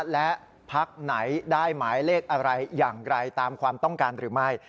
และพักไหนได้หมายเลขอะไรอย่างไรตามความต้องการหรือไม่